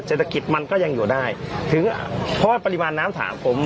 เจลศัพท์มันก็ยังอยู่ได้ถึงเพราะว่าริมายน้้ำถามผม